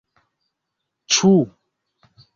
Ĉu.